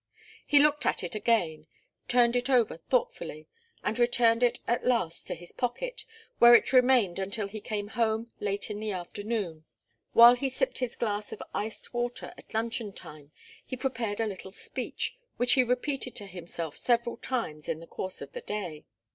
He looked at it again, turned it over thoughtfully, and returned it at last to his pocket, where it remained until he came home late in the afternoon. While he sipped his glass of iced water at luncheon time, he prepared a little speech, which he repeated to himself several times in the course of the day.